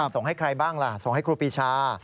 ส่งให้ใครบ้างล่ะส่งให้ครูปีชา